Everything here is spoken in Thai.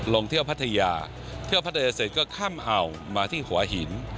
ลงเที่ยวพัทยาเที่ยวพัทยาเสร็จก็ข้ามอ่าวมาที่หัวหิน